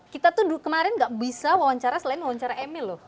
kita tuh kemarin gak bisa wawancara selain wawancara emil loh